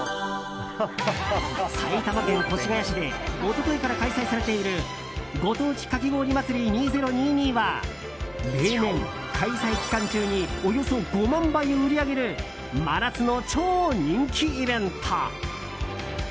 埼玉県越谷市で一昨日から開催されている「ご当地かき氷祭２０２２」は例年、開催期間中におよそ５万杯を売り上げる真夏の超人気イベント。